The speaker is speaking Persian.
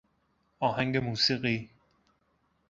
آهنگ موسیقی